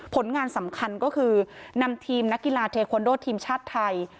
ผลงานสำคัญก็คือนำทีมนักกีฬาเทคอนโดทีมชาติไทย